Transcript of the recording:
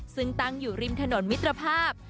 ซึ่งตั้งอยู่ริมถนนมิตรภาพ